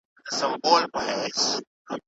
د پوهنتونونو اصول د وخت په تېرېدو بدلون مومي.